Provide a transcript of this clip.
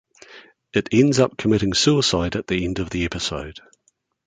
It ends up committing suicide at the end of the episode.